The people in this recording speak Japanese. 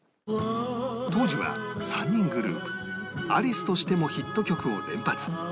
当時は３人グループアリスとしてもヒット曲を連発